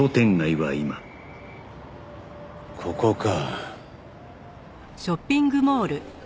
ここか。